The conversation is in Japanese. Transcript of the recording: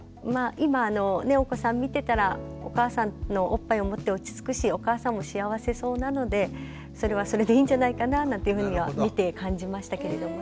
今お子さん見てたらお母さんのおっぱいをもって落ち着くしお母さんも幸せそうなのでそれはそれでいいんじゃないかななんていうふうには見て感じましたけれどもね。